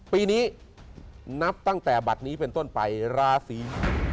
ปีนี้นับตั้งแต่บัตรนี้เป็นต้นไปราศี